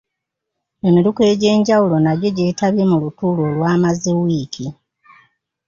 Emiruka egy'enjawulo nagyo gyetabye mu lutuula olwamaze wiiki.